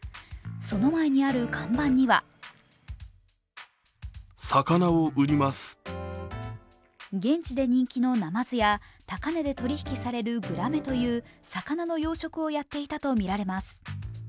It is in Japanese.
その前にある看板には現地で人気のなまずや高値で取り引きされるグラメという魚の養殖をやっていたとみられます。